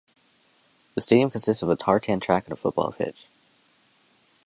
The stadium consists of a Tartan track and a football pitch.